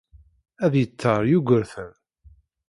Ad yetter Yugurten.